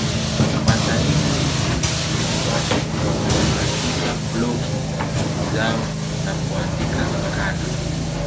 Wasanii wengi walitumia warsha hizi na kuanzisha blogi zao na kuandika makala.